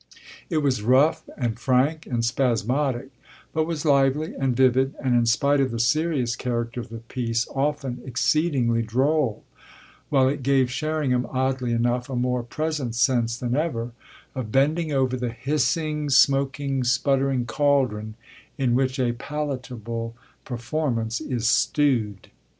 It was rough and frank and spasmodic, but was lively and vivid and, in spite of the serious character of the piece, often exceedingly droll: while it gave Sherringham, oddly enough, a more present sense than ever of bending over the hissing, smoking, sputtering caldron in which a palatable performance is stewed.